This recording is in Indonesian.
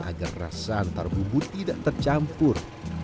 agar rasa antara bubu tidak tercampur